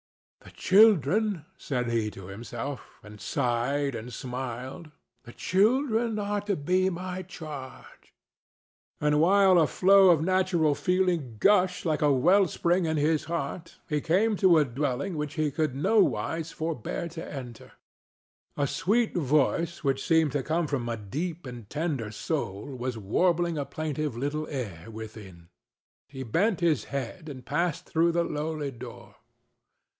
"The children," said he to himself, and sighed and smiled—"the children are to be my charge." And while a flow of natural feeling gushed like a well spring in his heart he came to a dwelling which he could nowise forbear to enter. A sweet voice which seemed to come from a deep and tender soul was warbling a plaintive little air within. He bent his head and passed through the lowly door.